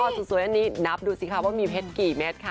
สดยอยั่นนี้นำดูสิครับว่ามีเพชรกี่แมตรค่ะ